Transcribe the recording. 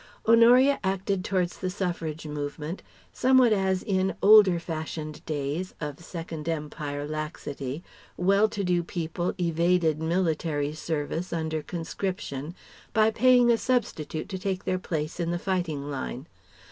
Honoria acted towards the Suffrage movement somewhat as in older fashioned days of Second Empire laxity well to do people evaded military service under conscription by paying a substitute to take their place in the fighting line.